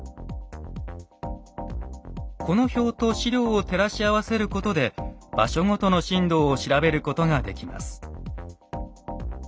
この表と史料を照らし合わせることで場所ごとの震度を調べることができます。